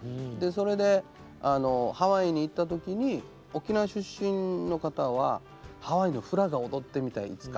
それでハワイに行った時に沖縄出身の方はハワイのフラが踊ってみたい。